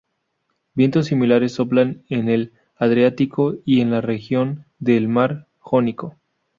Vientos similares soplan en el Adriático y en la región del mar Jónico.